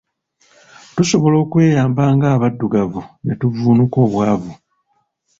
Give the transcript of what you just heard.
Tusobola okweyamba nga abaddugavu ne tuvvuunuka obwavu.